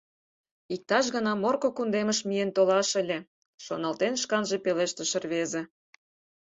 — Иктаж гана Морко кундемыш миен толаш ыле.., — шоналтен, шканже пелештыш рвезе.